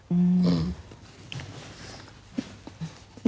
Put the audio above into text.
อืม